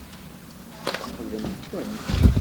Tesfeqdem-ten?